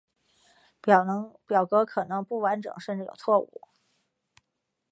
表格可能不完整甚至有错误。